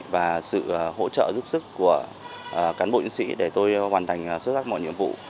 và sự hỗ trợ giúp sức của cán bộ diễn sĩ để tôi hoàn thành xuất sắc mọi nhiệm vụ